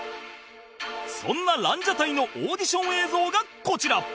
そんなランジャタイのオーディション映像がこちら